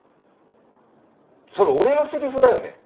それ俺のセリフだよね。